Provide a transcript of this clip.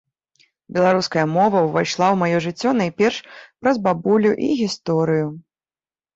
Беларуская мова ўвайшла ў маё жыццё найперш праз бабулю і гісторыю.